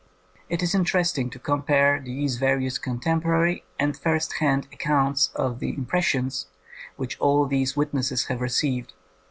It is interesting to compare these various contemporary and first hand accounts of the impressions which all these witnesses have received.